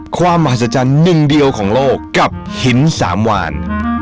ความมหัศจรรย์หนึ่งเดียวของโลกกับหินสามวาน